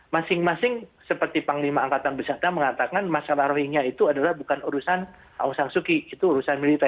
masing masing seperti panglima angkatan beserta mengatakan masalah rohingnya itu adalah bukan urusan aung sansuki itu urusan militer